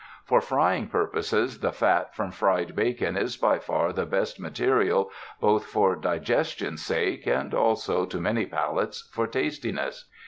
For frying purposes the fat from fried bacon is by far the best material both for diges tion's sake and also, to many palates, for tastiness.